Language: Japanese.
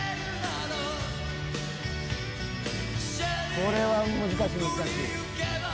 これは難しい難しい。